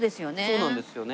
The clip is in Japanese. そうなんですよね。